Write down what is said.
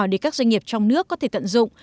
để các doanh nghiệp trong nước có thể tận dụng